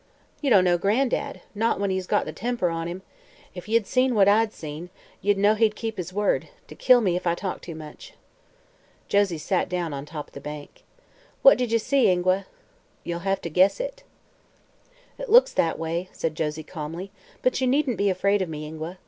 "Ye don't know Gran'dad not when he's got the temper on him. If ye'd seen what I seen, ye'd know that he'd keep his word 'to, kill me if I talk too much." Josie sat down on top the bank. "What did you see, Ingua?" "Ye'll hev to guess it." "It looks that way," said Josie calmly; "but you needn't be afraid of me, Ingua.